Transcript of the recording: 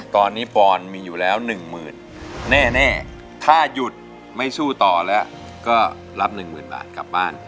ตอนนี้ปอนมีอยู่แล้ว๑หมื่นแน่ถ้าหยุดไม่สู้ต่อแล้วก็รับ๑๐๐๐บาทกลับบ้าน